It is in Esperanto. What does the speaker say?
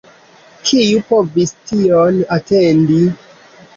Kiu povis tion atendi!